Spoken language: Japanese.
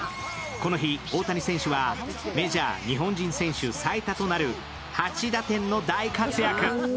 この日、大谷選手はメジャー日本人選手最多となる８打点の大活躍。